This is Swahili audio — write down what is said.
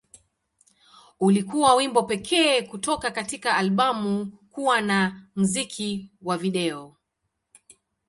Ulikuwa wimbo pekee kutoka katika albamu kuwa na na muziki wa video.